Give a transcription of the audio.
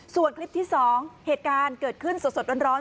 ส่วนคลิปที่๒เหตุการณ์เกิดขึ้นสดร้อน